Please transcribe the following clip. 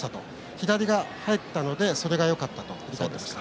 左が入ったのでそれがよかったと言っていました。